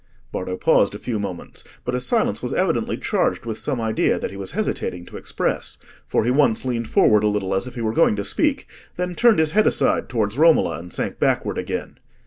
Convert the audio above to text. Bardo paused a few moments, but his silence was evidently charged with some idea that he was hesitating to express, for he once leaned forward a little as if he were going to speak, then turned his head aside towards Romola and sank backward again.